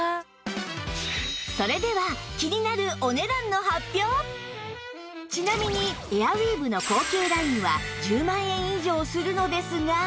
それでは気になるちなみにエアウィーヴの高級ラインは１０万円以上するのですが